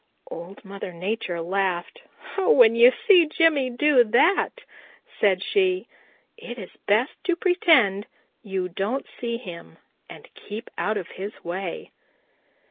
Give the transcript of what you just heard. Old Mother Nature laughed. "When you see Jimmy do that," said she, "it is best to pretend you don't see him and keep out of his way."